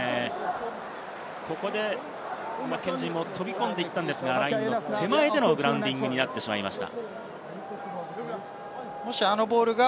ここで飛び込んでいったんですが、ラインの手前でのグラウンディングになってしまいました。